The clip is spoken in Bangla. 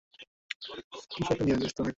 কিছু একটা নিয়ে ব্যস্ত থাকা।